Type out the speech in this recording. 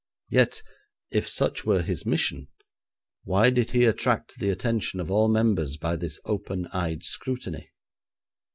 Yet, if such were his mission, why did he attract the attention of all members by this open eyed scrutiny?